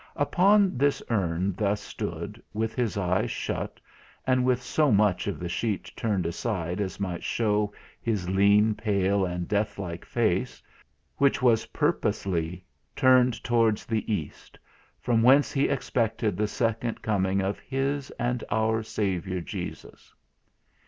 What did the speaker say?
Upon this urn he thus stood, with his eyes shut, and with so much of the sheet turned aside as might shew his lean, pale, and death like face, which was purposely turned towards the East, from whence he expected the second coming of his and our Saviour Jesus."